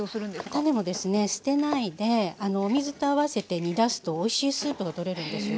種もですね捨てないでお水と合わせて煮出すとおいしいスープがとれるんですよ。